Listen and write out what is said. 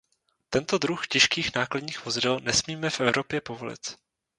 Tento druh těžkých nákladních vozidel nesmíme v Evropě povolit.